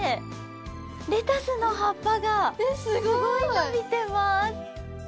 レタスのはっぱがすごいのびてます。